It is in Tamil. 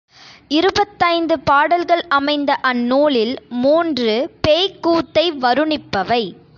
இருபத்தைந்து பாடல்கள் அமைந்த அந்நூலில் மூன்று பேய்க்கூத்தை வருணிப்பவை.